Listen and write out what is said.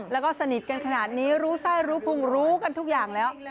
แล้วก็สนิทกันขนาดนี้รู้ไส้รู้พุงรู้กันทุกอย่างแล้ว